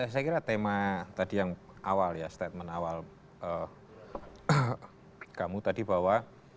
saya kira tema tadi yang awal ya statement awal kamu tadi bahwa